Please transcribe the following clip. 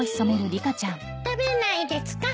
食べないですか？